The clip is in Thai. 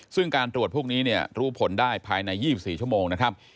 ซึ่งการตรวจพวกนี้รู้ผลได้ภายใน๒๔ชั่วโมงนะครับ